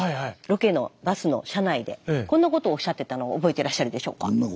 ロケのバスの車内でこんなことをおっしゃってたのを覚えてらっしゃるでしょうか？